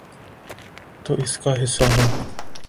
تو اس کا حصہ ہوں۔